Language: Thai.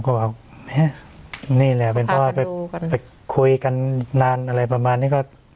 ก็บอกนี่แหละเป็นเพราะว่าไปคุยกันนานอะไรประมาณนี้ก็